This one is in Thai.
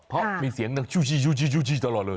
เพราะมีเสียงชูชี่ตลอดเลย